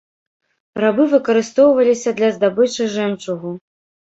Рабы выкарыстоўваліся для здабычы жэмчугу.